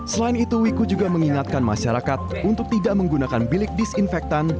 selain itu wiku juga mengingatkan masyarakat untuk tidak menggunakan bilik disinfektan